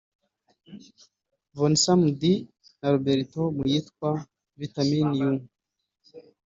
Vanessa Mdee na Roberto mu yitwa "Vitamin U"